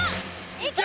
いけ！